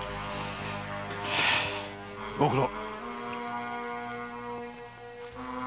ご苦労。